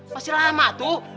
masih lama tuh